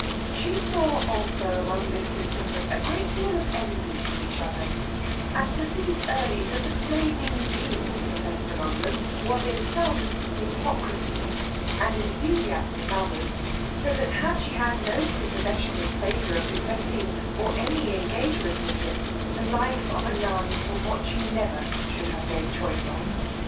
She saw also among this sisterhood a great deal of envy to each other, and perceived early that the flaming zeal professed among them was in some hypocrisy, and enthusiasm in others; so that had she had no prepossession in favour of du Plessis, or any engagement with him, the life of a nun was what she never should have made choice of.